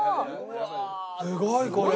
すごいこれ。